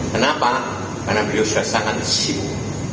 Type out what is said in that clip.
kenapa karena beliau sudah sangat disip